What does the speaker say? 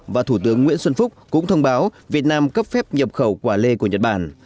và thủ tướng nguyễn xuân phúc cũng thông báo việt nam cấp phép nhập khẩu quả lê của nhật bản